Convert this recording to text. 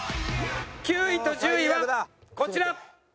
９位と１０位はこちら。